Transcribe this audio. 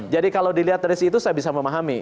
jadi kalau dilihat dari situ saya bisa memahami